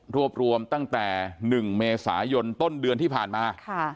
รวมตั้งแต่๑เมษายนต้นเดือนที่ผ่านมา